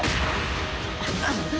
あっ！